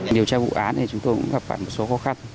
điều tra vụ án thì chúng tôi cũng gặp phải một số khó khăn